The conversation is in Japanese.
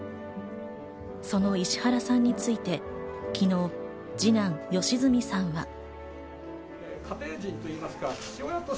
その石原さんについて、昨日、二男・良純さんは。